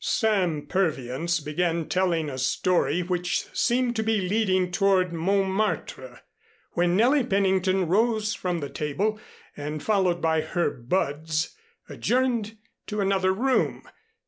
Sam Purviance began telling a story which seemed to be leading toward Montmartre when Nellie Pennington rose from the table, and followed by her buds, adjourned to another room.